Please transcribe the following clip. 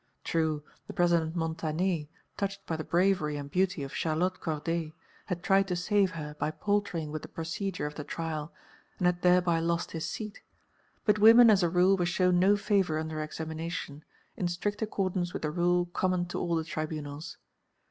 True, the President Montané, touched by the bravery and beauty of Charlotte Corday, had tried to save her by paltering with the procedure of the trial and had thereby lost his seat, but women as a rule were shown no favour under examination, in strict accordance with the rule common to all the tribunals.